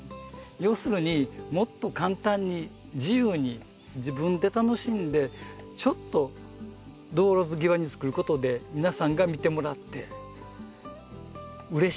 要するにもっと簡単に自由に自分で楽しんでちょっと道路際につくることで皆さんが見てもらってうれしい。